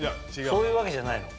そういうわけじゃないの。